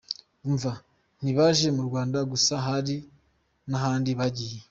Umva, ntibaje mu Rwanda gusa hari n’ahandi bagiye.